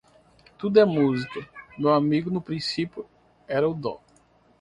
Tudo é musica, meu amigo. No principio era o dó